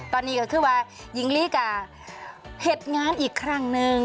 ตอนนี้ก็คือว่าหญิงลีกับเหตุงานอีกครั้งหนึ่ง